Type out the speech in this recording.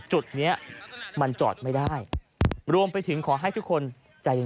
จุดเนี้ยมันจอดไม่ได้รวมไปถึงขอให้ทุกคนใจเย็น